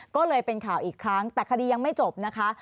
ก็เลยเป็นข่าวอีกครั้งแต่คดียังไม่จบนะคะ